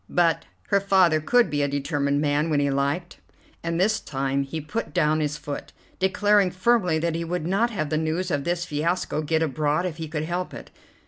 But her father could be a determined man when he liked, and this time he put down his foot, declaring firmly that he would not have the news of this fiasco get abroad if he could help it.